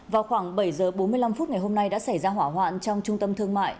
vào khoảng bảy giờ bốn mươi năm phút ngày hôm nay đã xảy ra hỏa hoạn trong trung tâm thương mại